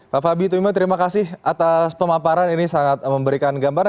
pak fabi tumi terima kasih atas pemaparan ini sangat memberikan gambar